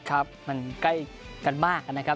ครับมันใกล้กันมากนะครับ